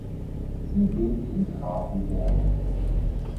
Sie lebt in Grafenberg.